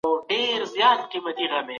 بیړني قوانین څنګه تصویبیږي؟